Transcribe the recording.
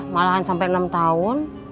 malahan sampai enam tahun